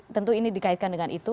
tentu ini dikaitkan dengan itu